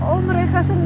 oh mereka sendiri